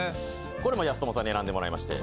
これもやすともさんに選んでもらいまして。